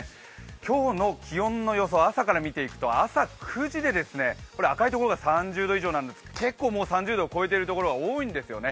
今日の気温の様子を朝から見ていくと朝９時で、赤いところが３０度以上なんですが結構、もう３０度超えているところが多いんですよね。